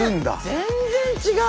全然違う！